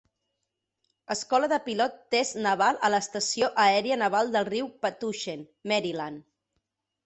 Escola de Pilot Test Naval a l'Estació Aèria Naval del riu Patuxent, Maryland.